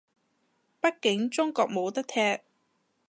畢竟中國冇得踢